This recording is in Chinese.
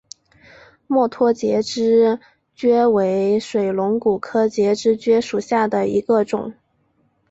墨脱节肢蕨为水龙骨科节肢蕨属下的一个种。